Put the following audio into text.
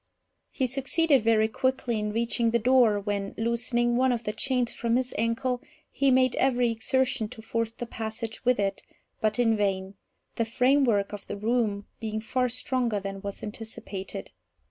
He succeeded very quickly in reaching the door, when, loosening one of the chains from his ankle, he made every exertion to force the passage with it, but in vain, the framework of the room being far stronger than was anticipated.